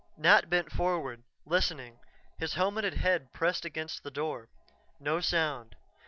Nat bent forward, listening, his helmeted head pressed against the door. No sound.